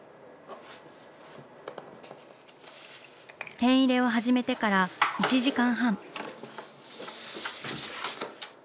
ペン入れを始めてから１時間半。